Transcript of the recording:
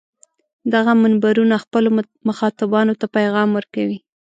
دغه منبرونه خپلو مخاطبانو ته پیغام ورکوي.